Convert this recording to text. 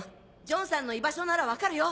ジョンさんの居場所なら分かるよ。